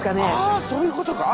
あそういうことか！